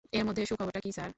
এর মধ্যে সুখবরটা কী, স্যার?